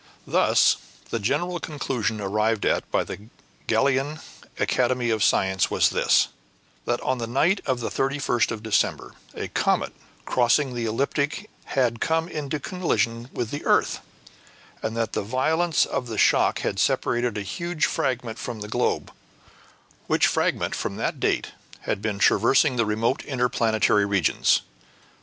Thus, the general conclusion arrived at by the Gallian Academy of Science was this: That on the night of the 31st of December, a comet, crossing the ecliptic, had come into collision with the earth, and that the violence of the shock had separated a huge fragment from the globe, which fragment from that date had been traversing the remote inter planetary regions.